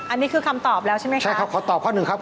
อันนี้คือคำตอบแล้วใช่ไหมคะใช่ครับขอตอบข้อหนึ่งครับ